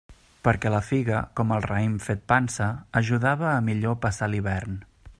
Perquè la figa, com el raïm fet pansa, ajudava a millor passar l'hivern.